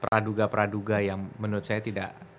peraduga peraduga yang menurut saya tidak